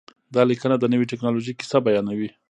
دا لیکنه د نوې ټکنالوژۍ کیسه بیانوي.